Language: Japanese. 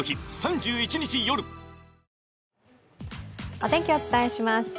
お天気、お伝えします。